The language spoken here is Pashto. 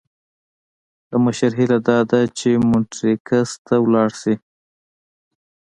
د مشر هیله داده چې مونټریکس ته ولاړ شي.